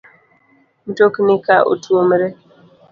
Mtokni ka otuomore, l